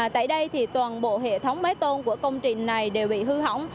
tại đây thì toàn bộ hệ thống mái tôn của công trình này đều bị hư hỏng